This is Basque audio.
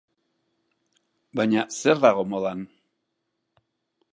Baina zer dago modan?